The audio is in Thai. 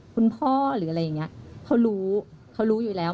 คุณพ่อหรืออะไรอย่างนี้เขารู้เขารู้อยู่แล้ว